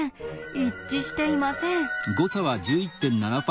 一致していません。